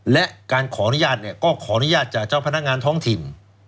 และการขออนุญาตเนี่ยก็ขออนุญาตจากเจ้าพนักงานท้องถิ่น